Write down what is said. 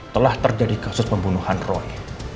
telah terjadi kasus pembunuhan roy